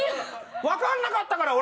わかんなかったから！